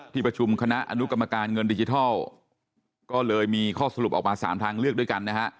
ที่ประชุมคณะอนุกรรมการเงินดิจิทัลก็เลยมีข้อสรุปออกมา๓ทางเลือกด้วยกันนะฮะ